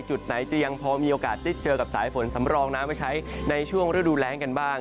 จุดไหนจะยังพอมีโอกาสได้เจอกับสายฝนสำรองน้ำไว้ใช้ในช่วงฤดูแรงกันบ้าง